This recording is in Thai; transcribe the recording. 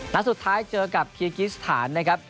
นัดสุดท้ายเจอกับคีกิสถานนะครับ